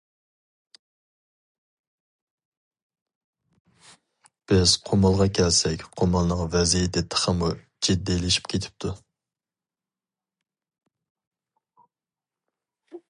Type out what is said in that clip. بىز قۇمۇلغا كەلسەك قۇمۇلنىڭ ۋەزىيىتى تېخىمۇ جىددىيلىشىپ كېتىپتۇ.